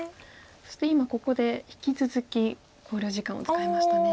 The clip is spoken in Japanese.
そして今ここで引き続き考慮時間を使いましたね。